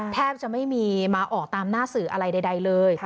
แทบจะไม่มีมาออกตามหน้าสื่ออะไรใดเลย